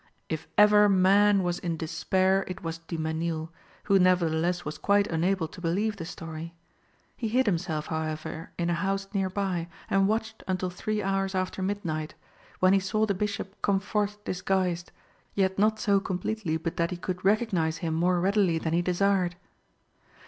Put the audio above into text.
If ever man was in despair it was Du Mesnil, who nevertheless was quite unable to believe the story. He hid himself, however, in a house near by, and watched until three hours after midnight, when he saw the Bishop come forth disguised, yet not so completely but that he could recognise him more readily than he desired.